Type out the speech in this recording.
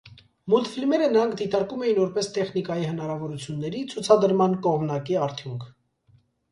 Մուլտֆիլմերը նրանք դիտարկում էին որպես տեխնիկայի հնարավորությունների ցուցադրման կողմնակի արդյունք։